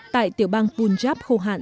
tại tiểu bang punjab khô hạn